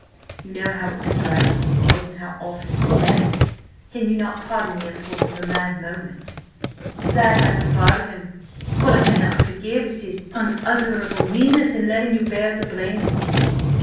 You know how extravagant he was and how often in debt–can you not pardon the impulse of a mad moment?" "That I could pardon. What I cannot forgive is his—unutterable meanness in letting you bear the blame."